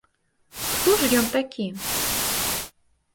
Хто ж ён такі?